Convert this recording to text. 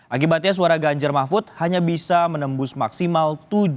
akibatnya suara ganjar mahfud hanya bisa menembus maksimal tujuh